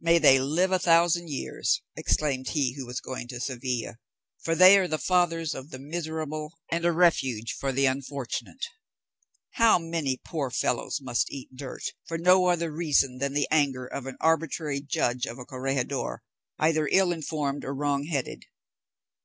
"May they live a thousand years!" exclaimed he who was going to Seville; "for they are the fathers of the miserable, and a refuge for the unfortunate. How many poor fellows must eat dirt, for no other reason than the anger of an arbitrary judge of a corregidor, either ill informed or wrong headed!